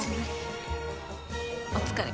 お疲れ！